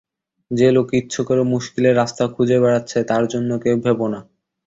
যে লোক ইচ্ছে করে মুশকিলের রাস্তা খুঁজে বেড়াচ্ছে তার জন্যে কেউ ভেবো না।